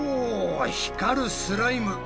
光るスライム。